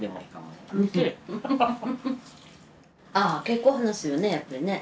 結構話すよねやっぱりね。